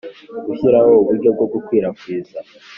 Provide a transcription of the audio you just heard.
Gushyiraho uburyo bwo gukwirakwiza